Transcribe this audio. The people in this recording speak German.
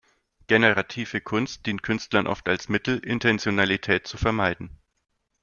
Generative Kunst dient Künstlern oft als Mittel, Intentionalität zu vermeiden.